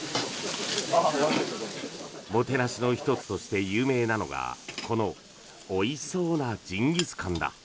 もてなしの１つとして有名なのがこのおいしそうなジンギスカンだ。